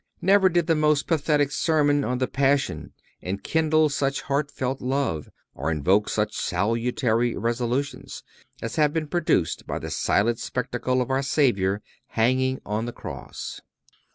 Never did the most pathetic sermon on the Passion enkindle such heartfelt love, or evoke such salutary resolutions, as have been produced by the silent spectacle of our Savior hanging on the cross.